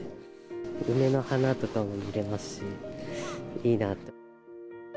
梅の花とかも見れますし、いいなと。